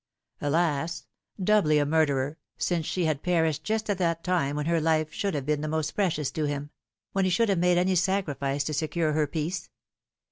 Alas ! doubly a murderer, since she had perished just at that time when her life should have been most precious to him, when he should have made any sacrifice to secure her peace.